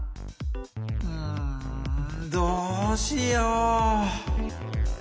うんどうしよう？